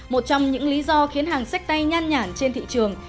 một trong những lý do khiến hàng sách tay nhan nhản trên thị trường